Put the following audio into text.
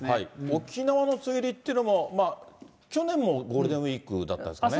沖縄の梅雨入りというのも、去年もゴールデンウィークだったんですよね？